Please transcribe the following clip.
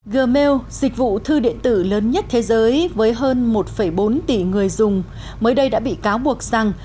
gmail dịch vụ thư điện tử lớn nhất thế giới với hơn một bốn tỷ người dùng mới đây đã bị cáo buộc rằng